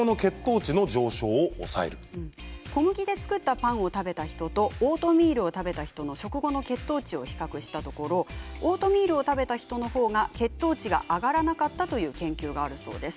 小麦で作ったパンを食べた人とオートミールを食べた人の食後の血糖値を比較したところオートミールを食べた人の方が血糖値が上がらなかったという研究があるそうです。